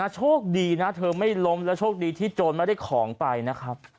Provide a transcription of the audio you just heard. โชคดีนะเธอไม่ล้มแล้วโชคดีที่โจรไม่ได้ของไปนะครับ